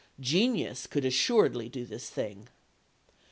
Genius could assuredly do this thing.